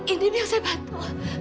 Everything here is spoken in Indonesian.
ini dia saya bantu